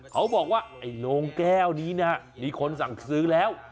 เขาบอกว่าไอ้โรงแก้วนี้นะฮะมีคนสั่งซื้อแล้ว